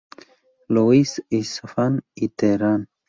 Louis de Isfahan y Teherán.